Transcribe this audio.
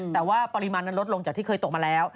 แต่ว่าปริมาณนั้นลดลงจากที่เคยตกมาแล้ว